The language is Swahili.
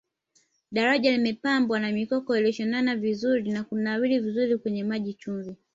daraja limepambwa na mikoko iliyoshonana vizuri na kunawiri vizuri kwenye maji chumvi